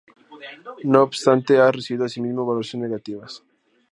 No obstante, ha recibido asimismo valoraciones negativas.